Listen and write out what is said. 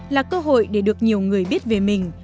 là cơ hội để được nhiều người biết về mình